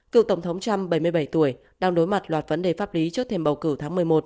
cựu tổng thống trump bảy mươi bảy tuổi đang đối mặt loạt vấn đề pháp lý trước thềm bầu cử tháng một mươi một